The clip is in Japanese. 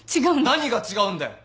何が違うんだよ？